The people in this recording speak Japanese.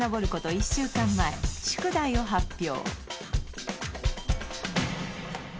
１週間前宿題を発表！